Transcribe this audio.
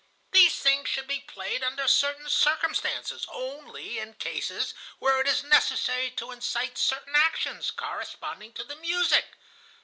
These things should be played under certain circumstances, only in cases where it is necessary to incite certain actions corresponding to the music.